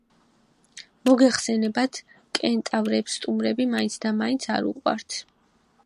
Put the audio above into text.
მოგეხსენებათ, კენტავრებს სტუმრები მაინცდამაინც არ უყვართ.